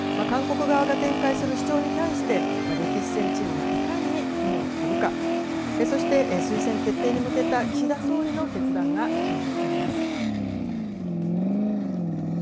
韓国側が展開する主張に対して、歴史戦チームがいかに機能するか、そして、推薦決定に向けた岸田総理の決断が注目されます。